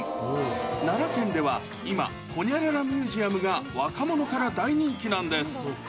奈良県では、今、ホニャララミュージアムが若者から大人気なんです。